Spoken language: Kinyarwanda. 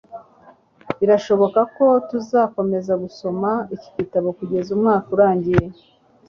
birashoboka ko tuzakomeza gusoma iki gitabo kugeza umwaka urangiye